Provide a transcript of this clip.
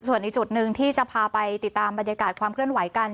ส่วนอีกจุดหนึ่งที่จะพาไปติดตามบรรยากาศความเคลื่อนไหวกัน